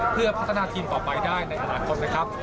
เพื่อพัฒนาทีมต่อไปได้ในอนาคตนะครับ